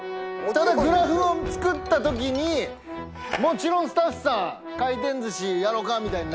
ただグラフを作った時にもちろんスタッフさん「回転寿司やろうか」みたいになる。